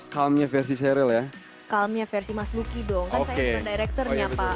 calmnya versi sheryl ya calmnya versi mas lucky dong kan saya seorang director